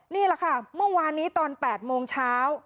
นี่แหละค่ะเมื่อวานนี้ตอน๘โมงเช้า